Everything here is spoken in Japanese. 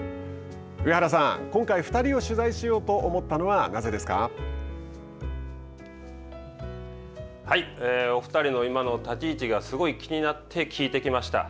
上原さん、今回２人を取材しようと思ったのはお二人の今の立ち位置がすごい気になって聞いてきました。